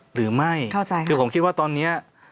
หรือไม่ถือของคิดว่าตอนนี้ถือของคิดว่าตอนนี้